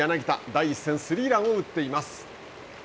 第１戦、スリーランを打っています。